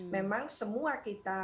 memang semua kita